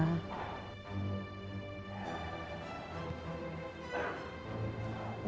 dengan mesin menu keberdayaan